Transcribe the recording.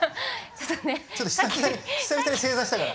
ちょっと久々に正座したから。